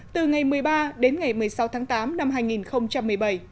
từ ngày một mươi ba đến ngày một mươi sáu tháng tám năm hai nghìn một mươi bảy